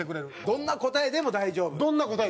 どんな答えでも大丈夫です。